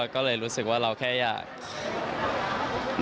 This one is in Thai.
ก็เลยรู้สึกว่าเราแค่อยาก